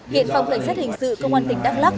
hiện phòng cảnh sát hình sự công an tỉnh đắk lắc